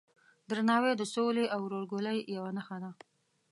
درناوی د سولې او ورورګلوۍ یوه نښه ده.